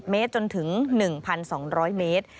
เมตรจนถึง๑๒๐๐เมตร